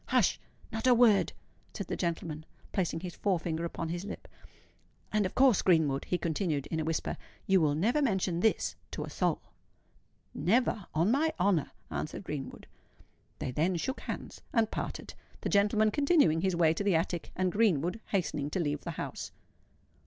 "Hush! not a word!" said the gentleman, placing his fore finger upon his lip. "And, of course, Greenwood," he continued, in a whisper, "you will never mention this to a soul." "Never—on my honour!" answered Greenwood. They then shook hands, and parted—the gentleman continuing his way to the attic, and Greenwood hastening to leave the house.